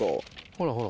ほらほら。